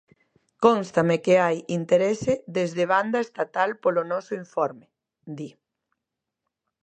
"Cónstame que hai interese desde banda estatal polo noso informe", di.